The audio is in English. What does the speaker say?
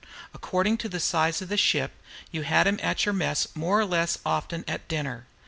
According to the size of the ship, you had him at your mess more or less often at dinner.